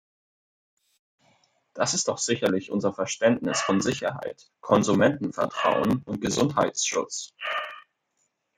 Das ist doch sicherlich unser Verständnis von Sicherheit, Konsumentenvertrauen und Gesundheitsschutz.